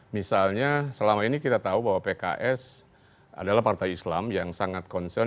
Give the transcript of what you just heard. misalnya selama ini kita tahu bahwa pks adalah partai islam yang sangat concern